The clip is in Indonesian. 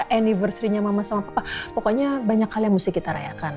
dan aniversarinya mama sama papa pokoknya banyak kali yang mesti kita rayakan